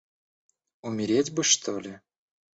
Умереть бы что-ли?!